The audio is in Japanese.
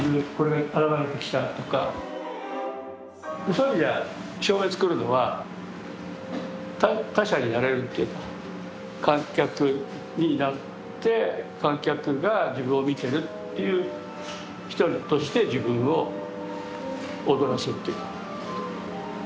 そういう意味では照明作るのは他者になれるっていうか観客になって観客が自分を見てるっていう一人として自分を踊らせている。